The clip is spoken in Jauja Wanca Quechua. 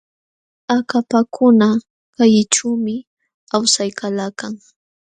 Akapakuna kallićhuumi awsaykalakan.